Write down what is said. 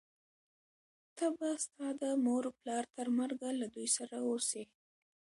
ته به ستا د مور و پلار تر مرګه له دوی سره اوسې،